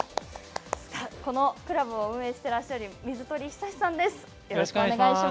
このクラブを運営していらっしゃる水鳥寿思さんです。